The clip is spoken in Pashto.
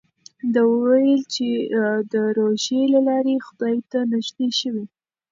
ده وویل چې د روژې له لارې خدای ته نژدې شوی.